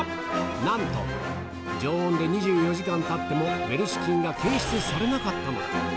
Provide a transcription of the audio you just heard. なんと、常温で２４時間たってもウェルシュ菌が検出されなかったのだ。